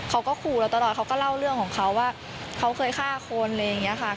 เขาก็ขู่เราตลอดเขาก็เล่าเรื่องของเขาว่าเขาเคยฆ่าคนอะไรอย่างนี้ค่ะ